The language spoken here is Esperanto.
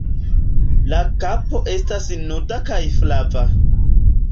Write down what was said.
La kapo estas nuda kaj flava.